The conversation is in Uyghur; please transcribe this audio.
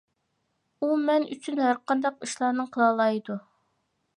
ئۇ مەن ئۈچۈن ھەرقانداق ئىشلارنى قىلالايدۇ.